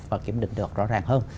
và kiểm định được rõ ràng hơn